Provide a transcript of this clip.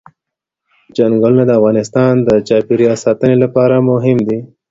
چنګلونه د افغانستان د چاپیریال ساتنې لپاره مهم دي.